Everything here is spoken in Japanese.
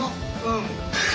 うん。